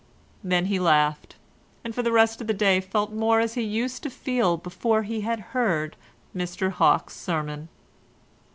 Then he laughed, and for the rest of the day felt more as he used to feel before he had heard Mr Hawke's sermon.